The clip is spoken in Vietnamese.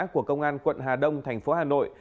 của công an quận hà đông thành phố hà nội